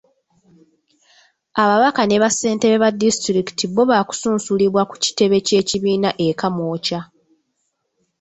Ababaka ne bassentebe ba disitulikiti bbo baakusunsulibwa ku kitebe ky'ekibiina e Kamwokya.